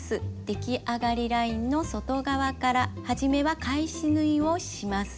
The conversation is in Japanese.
できあがりラインの外側から初めは返し縫いをします。